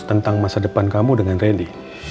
tentang masa depan kamu dengan randy